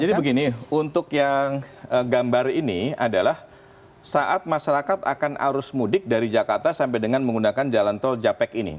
jadi begini untuk yang gambar ini adalah saat masyarakat akan arus mudik dari jakarta sampai dengan menggunakan jalan tol japek ini